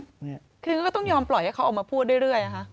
คือนักการเมืองก็ต้องยอมปล่อยให้เขาออกมาพูดเรื่อยอะคะ